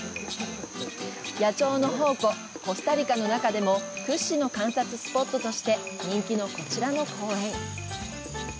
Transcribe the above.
野鳥の宝庫・コスタリカの中でも屈指の観察スポットして人気のこちらの公園。